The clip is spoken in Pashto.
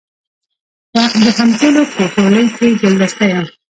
د همزولو په ټولۍ کي ګلدسته یم